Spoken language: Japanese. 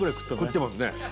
食ってますね